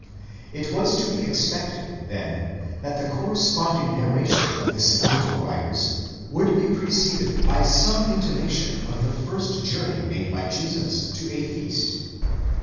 It was to be expected, then, that the corresponding narration of the synoptical writers would be preceded by some intimation of the first journey made by Jesus to a feast.